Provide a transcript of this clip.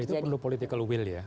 itu perlu political will ya